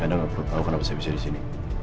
anda gak perlu tahu kenapa saya bisa disini